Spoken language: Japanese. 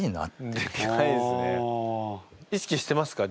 意識してますか？